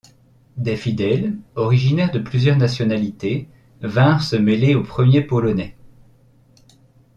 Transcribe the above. Des fidèles, originaires de plusieurs nationalités, vinrent se mêler aux premiers Polonais.